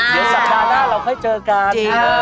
เดี๋ยวสัปดาห์หน้าเราค่อยเจอกัน